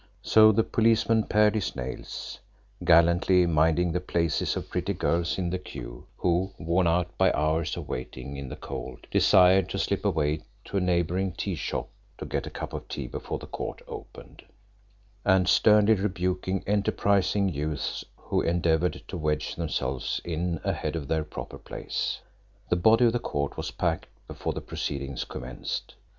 So the policeman pared his nails, gallantly "minding" the places of pretty girls in the queue who, worn out by hours of waiting in the cold, desired to slip away to a neighbouring tea shop to get a cup of tea before the court opened, and sternly rebuking enterprising youths who endeavoured to wedge themselves in ahead of their proper place. The body of the court was packed before the proceedings commenced.